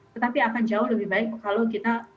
tetapi akan jauh lebih baik kalau kita